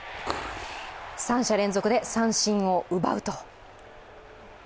三者連続で三振を奪うと。